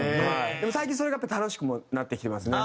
でも最近それがやっぱり楽しくもなってきてますね。